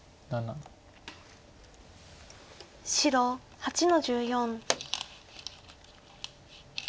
白８の十四。